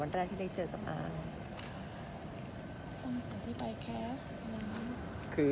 ตอนตอนจะได้ไปแคสต์